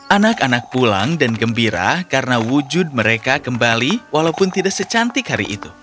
anak anak pulang dan gembira karena wujud mereka kembali walaupun tidak secantik hari itu